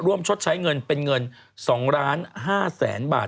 ชดใช้เงินเป็นเงิน๒๕๐๐๐๐บาท